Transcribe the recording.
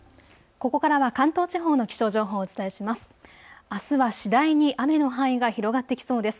ここからは関東地方の気象情報をお伝えします。